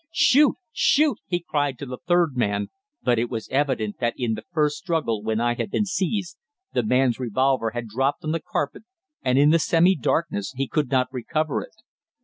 "Shoot! shoot!" he cried to the third man, but it was evident that in the first struggle, when I had been seized, the man's revolver had dropped on the carpet, and in the semi darkness he could not recover it.